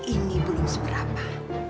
ini belum seberapa